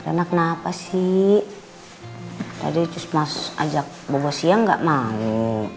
rena rena kenapa sih tadi just mas ajak bobo siang gak mau